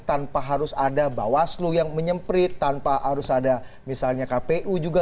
tanpa harus ada bawaslu yang menyemprit tanpa harus ada misalnya kpu juga